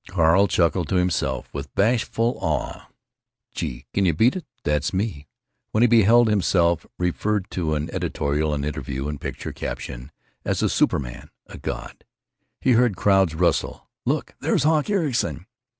Carl chuckled to himself, with bashful awe, "Gee! can you beat it?—that's me!" when he beheld himself referred to in editorial and interview and picture caption as a superman, a god. He heard crowds rustle, "Look, there's Hawk Ericson!"